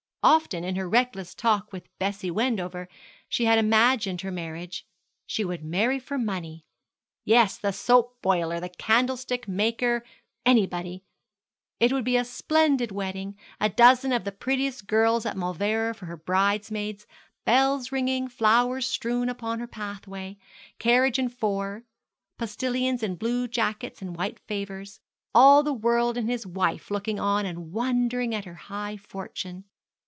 Often in her reckless talk with Bessie Wendover she had imagined her marriage. She would marry for money. Yes, the soap boiler, the candlestick maker anybody. It should be a splendid wedding a dozen of the prettiest girls at Mauleverer for her bridesmaids, bells ringing, flowers strewn upon her pathway, carriage and four, postilions in blue jackets and white favours, all the world and his wife looking on and wondering at her high fortune.